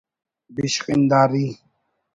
بشخنداری